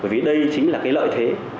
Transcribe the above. vì đây chính là cái lợi thế